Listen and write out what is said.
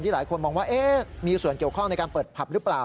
หลายคนมองว่ามีส่วนเกี่ยวข้องในการเปิดผับหรือเปล่า